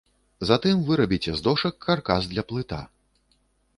Затым вырабіце з дошак каркас для плыта.